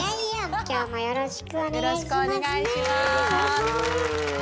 今日もよろしくお願いしますね。